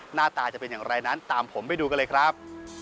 หน้าตาจะเป็นอย่างไรนั้นตามผมไปดูกันเลยครับ